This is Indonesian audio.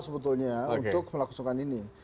sebetulnya untuk melakukan ini